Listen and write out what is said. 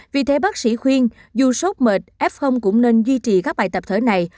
vì thế bác sĩ khuyên dù sốc mệt f cũng nên duy trì các bài tập thở này